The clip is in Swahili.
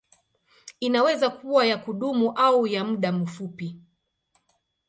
Inaweza kuwa ya kudumu au ya muda mfupi.